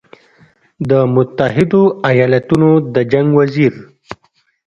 د متحدو ایالتونو د جنګ وزیر